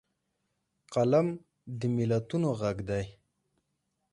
قلم د ملتونو غږ دی